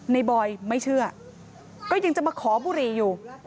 บอยไม่เชื่อก็ยังจะมาขอบุหรี่อยู่